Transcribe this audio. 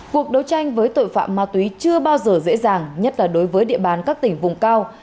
cuộc đấu tranh với tội phạm ma túy chưa bao giờ dễ dàng nhất là đối với địa bàn các tỉnh vùng cao